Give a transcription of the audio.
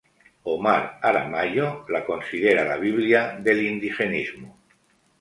Omar Aramayo la considera la biblia del indigenismo.